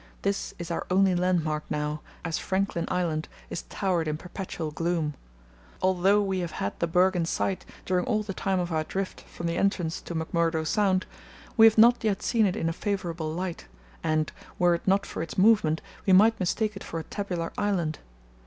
This is our only landmark now, as Franklin Island is towered in perpetual gloom. Although we have had the berg in sight during all the time of our drift from the entrance to McMurdo Sound, we have not yet seen it in a favourable light, and, were it not for its movement, we might mistake it for a tabular island.